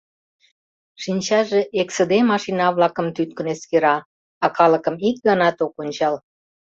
Шинчаже эксыде машина-влакым тӱткын эскера, а калыкым ик ганат ок ончал.